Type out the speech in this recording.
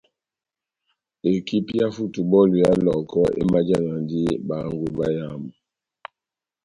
Ekipi yá futubɔlu ya Lɔhɔkɔ emajanadi bahangwi bayamu.